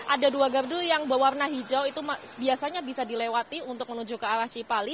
ada dua gardu yang berwarna hijau itu biasanya bisa dilewati untuk menuju ke arah cipali